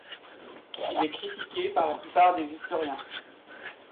Il est critiqué par la plupart des historiens.